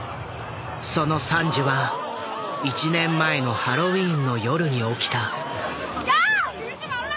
その惨事は１年前のハロウィーンの夜に起きた。